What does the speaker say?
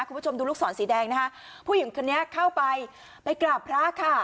คุณผู้ชมดูลูกศรสีแดงนะคะผู้หญิงคนนี้เข้าไปไปกราบพระค่ะ